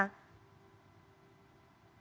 sama juga seperti dr nadia suaranya putus putus mbak